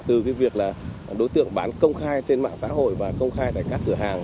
từ việc đối tượng bán công khai trên mạng xã hội và công khai tại các cửa hàng